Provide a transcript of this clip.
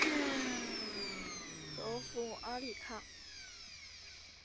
首府阿里卡。